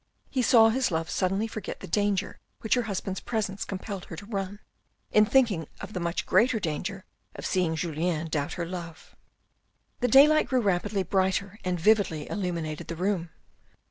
He saw his love suddenly forget the danger which her husband's presence compelled her to run, in thinking of the much greater danger of seeing Julien doubt her love. The daylight grew rapidly brighter and vividly illuminated the room.